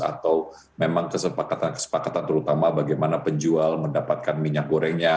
atau memang kesepakatan kesepakatan terutama bagaimana penjual mendapatkan minyak gorengnya